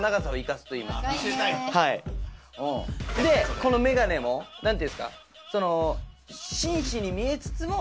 このメガネも何ていうんすか。